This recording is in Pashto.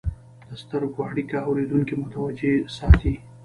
د سترګو اړیکه اورېدونکي متوجه ساتي.